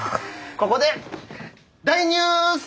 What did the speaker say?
ここで大ニュース！え？